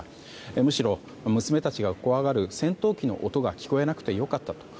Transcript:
むしろ、娘たちが怖がる戦闘機の音が聞こえなくてよかったと。